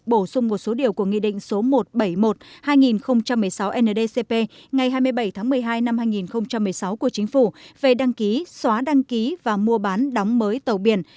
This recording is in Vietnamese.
bổ sung một số điều của nghị định số một trăm bảy mươi một hai nghìn một mươi sáu ndcp ngày hai mươi bảy tháng một mươi hai năm hai nghìn một mươi sáu của chính phủ về đăng ký xóa đăng ký và mua bán đóng mới tàu biển